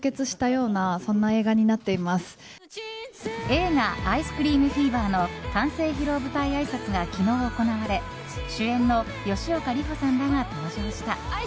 映画「アイスクリームフィーバー」の完成披露舞台あいさつが昨日行われ主演の吉岡里帆さんらが登場した。